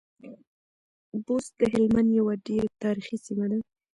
بُست د هلمند يوه ډېره تاريخي سیمه ده.